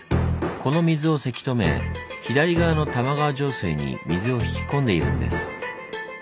この水をせき止め左側の玉川上水に水を引き込んでいるんです。